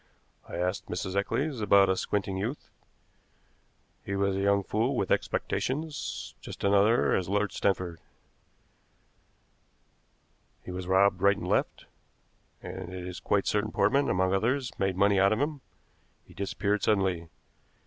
"I asked Mrs. Eccles about a squinting youth. He was a young fool with expectations, just such another as Lord Stanford. He was robbed right and left, and it is quite certain Portman, among others, made money out of him. He disappeared suddenly.